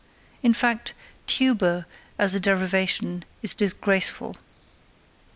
In fact, 'tuber' as a derivation is disgraceful.